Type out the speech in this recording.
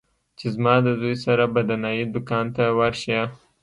چې زما د زوى سره به د نايي دوکان ته ورشې.